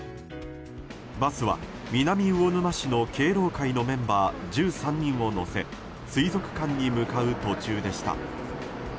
バスは南魚沼市の敬老会のメンバー１３人を乗せ水族館に向かう途中でした。